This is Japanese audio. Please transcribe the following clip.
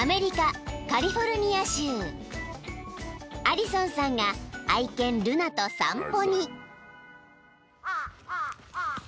［アリソンさんが愛犬ルナと散歩に］